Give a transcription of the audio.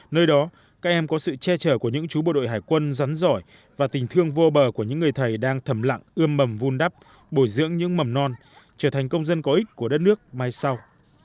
nơi đó các em có sự che chở của những chú bộ đội hải quân rắn giỏi và tình thương vô bờ của những người thầy đang thầm lặng ươm mầm vun đắp bồi dưỡng những mầm non trở thành công dân có ích của đất nước mai sau